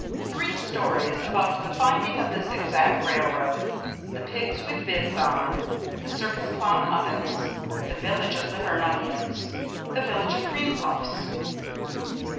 Three Stories About the Finding of the Zigzag Railroad, the Pigs with Bibs On, the Circus Clown Ovens, the Village of Liver and Onions, the Village of Cream Puffs.